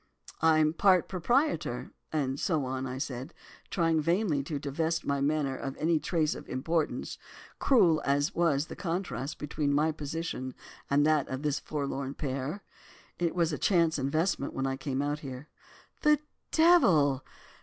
"'I'm a part proprietor, and so on,' said I, trying vainly to divest my manner of any trace of importance, cruel as was the contrast between my position and that of this forlorn pair. 'It was a chance investment when I came out here.' "'The devil!